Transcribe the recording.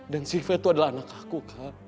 dan sifat itu adalah anak aku kak